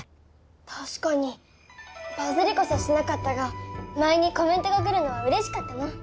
確かにバズりこそしなかったが舞にコメントが来るのはうれしかったな。